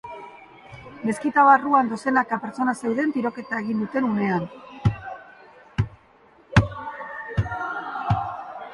Meskita barruan dozenaka pertsona zeuden tiroketa egin duten unean.